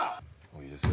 いいですよ